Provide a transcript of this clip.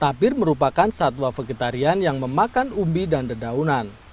tapir merupakan satwa vegetarian yang memakan umbi dan dedaunan